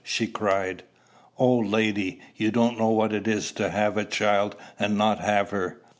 she cried. "Oh, lady, you don't know what it is to have a child and not have her!